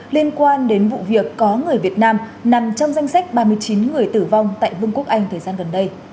liên quan đến vụ việc có người việt nam nằm trong danh sách ba mươi chín người tử vong tại vương quốc anh thời gian gần đây